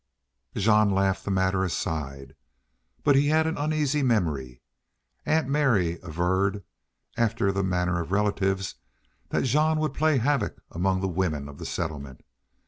Jean laughed the matter aside, but he had an uneasy memory. Aunt Mary averred, after the manner of relatives, that Jean would play havoc among the women of the settlement.